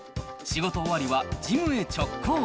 仕事終わりはジムへ直行。